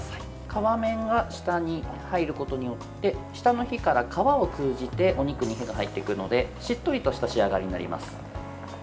皮面が下に入ることによって下の火から皮を通じてお肉に火が入ってくるのでしっとりとした仕上がりになります。